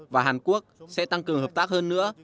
và hàn quốc sẽ tăng cường hợp tác hơn nữa